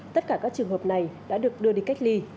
tất cả các trường hợp này đã được đưa đi cách ly